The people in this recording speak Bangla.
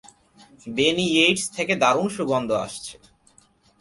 বেনিইয়েইটস থেকে দারুণ সুগন্ধ আসছে।